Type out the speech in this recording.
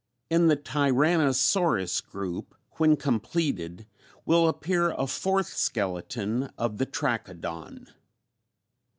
In the Tyrannosaurus group when completed will appear a fourth skeleton of the Trachodon.